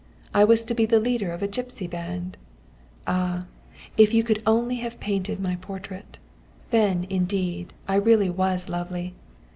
I was to be the leader of a gipsy band. Ah! if you could only have painted my portrait! Then, indeed, I really was lovely!